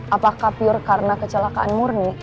apakah pure karena kecelakaan murni